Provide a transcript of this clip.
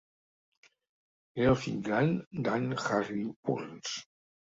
Era el fill gran d'Anne i Harry Burns.